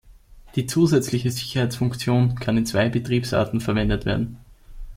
Die zusätzliche Sicherheitsfunktion kann in zwei Betriebsarten verwendet werden.